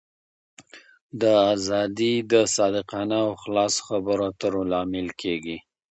دا آزادي د صادقانه او خلاصو خبرو اترو لامل کېږي.